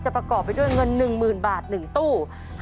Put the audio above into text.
ประกอบไปด้วยเงิน๑๐๐๐บาท๑ตู้